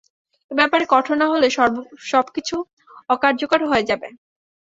এ ব্যাপারে কঠোর না হলে সবকিছু অকার্যকর হয়ে যাবে।